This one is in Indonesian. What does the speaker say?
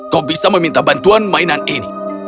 kau bisa meminta bantuan mainan ini